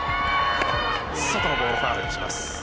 外のボールファウルにします。